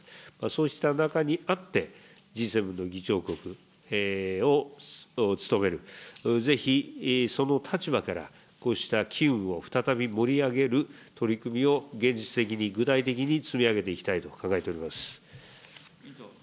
そうした中にあって、Ｇ７の議長国を務める、ぜひ、その立場からこうした機運を再び盛り上げる取り組みを現実的に、具体的に積み上げていきたいと考えております。